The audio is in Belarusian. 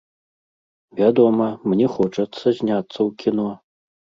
Вядома, мне хочацца зняцца ў кіно.